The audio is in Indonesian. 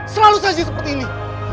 selalu seji seperti ini